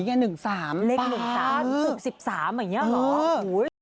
๖๑๓อย่างนี้เหรอ